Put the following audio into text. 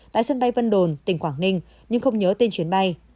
tại sân bay vân đồn tỉnh quảng ninh nhưng không nhớ tên chuyến bay